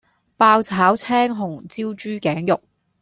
爆炒青紅椒豬頸肉